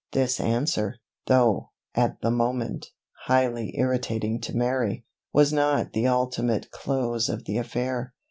This answer, though, at the moment, highly irritating to Mary, was not the ultimate close of the affair.